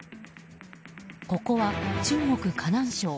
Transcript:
ここは中国・河南省。